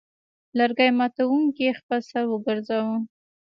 لرګي ماتوونکي خپل سر وګراوه.